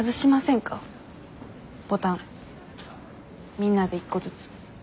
みんなで一個ずつ。